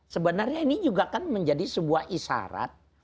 sebenarnya ini juga kan menjadi sebuah isyarat